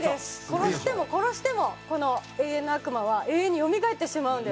殺しても殺してもこの永遠の悪魔は永遠によみがえってしまうんです。